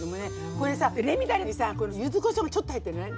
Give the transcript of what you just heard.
これさレミだれにさ柚子こしょうがちょっと入ってるのね。